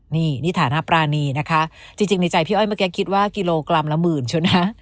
นี่นิฐานะปรานีนะคะจริงในใจพี่อ้อยเมื่อกี้คิดว่ากิโลกรัมละหมื่นใช่ไหม